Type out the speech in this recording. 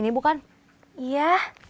ini bukan iya